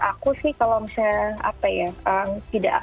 aku sih kalau misalnya apa ya